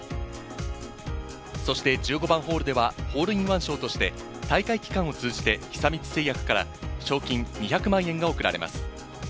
そして１５番ホールでは、ホールインワン賞として、大会期間を通じて久光製薬から賞金２００万円が贈られます。